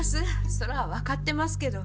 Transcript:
そら分かってますけど。